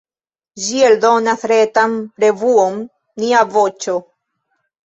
Ĝi eldonas retan revuon "Nia Voĉo".